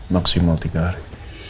maksimal tiga hari